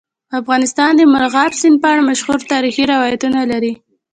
افغانستان د مورغاب سیند په اړه مشهور تاریخی روایتونه لري.